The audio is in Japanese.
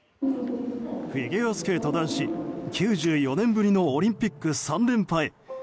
フィギュアスケート男子９４年ぶりのオリンピック３連覇へ。